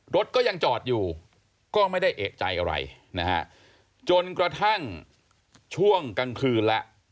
รถก็ยังจอดอยู่ก็ไม่ได้เอกใจอะไรนะฮะจนกระทั่งช่วงกลางคืนแล้ว